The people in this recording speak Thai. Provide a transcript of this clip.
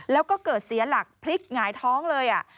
แล้วก็เกิดเสียหลักพลิกหงายท้องเลย